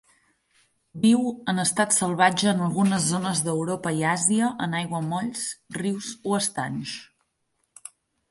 Viu en estat salvatge en algunes zones d'Europa i Àsia en aiguamolls, rius o estanys.